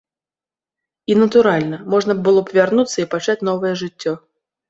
І, натуральна, можна было б вярнуцца і пачаць новае жыццё.